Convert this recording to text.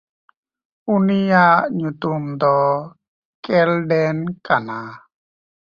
ᱩᱱᱤᱭᱟᱜ ᱧᱩᱛᱩᱢ ᱫᱚ ᱠᱮᱞᱰᱮᱱ ᱠᱟᱱᱟ᱾